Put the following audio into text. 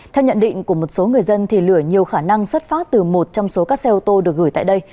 theo nhận định của một số người dân lửa nhiều khả năng xuất phát từ một trong số các xe ô tô được gửi tại đây